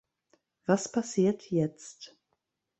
Was passiert jetzt?